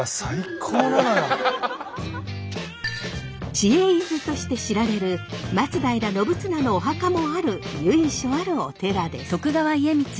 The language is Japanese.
知恵伊豆として知られる松平信綱のお墓もある由緒あるお寺です。